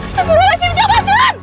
semuruhnya cinta bantuan